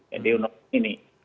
yang diundang ini